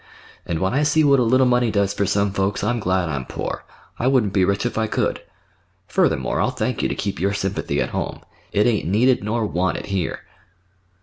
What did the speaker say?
"And when I see what a little money does for some folks I'm glad I'm poor. I wouldn't be rich if I could. Furthermore, I'll thank you to keep your sympathy at home. It ain't needed nor wanted—here."